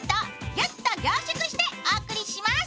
ぎゅっと凝縮してお送りします。